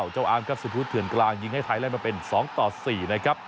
อาร์มครับสุพุทธเถื่อนกลางยิงให้ไทยเล่นมาเป็น๒ต่อ๔นะครับ